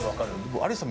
有吉さん